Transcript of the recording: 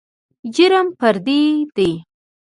جرم فردي دى.